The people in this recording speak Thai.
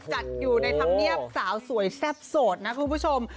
จัดอยู่ในธรรมเนียบสาวสวยแซ่บโสดนะคุณผู้ชม